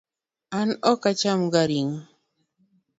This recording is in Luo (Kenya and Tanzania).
An ok acham ga ring'o